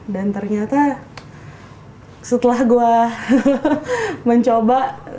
dan ternyata setelah gue mencoba